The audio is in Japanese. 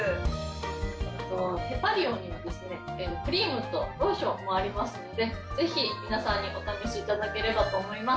ヘパリオにはですね、クリームとローションもありますので、ぜひ、皆さんにお試しいただければと思います。